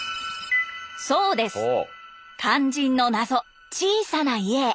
そうです肝心の謎「小さな家」へ。